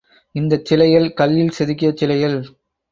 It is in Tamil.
இந்தச் சிலைகள் கல்லில் செதுக்கிய சிலைகள்.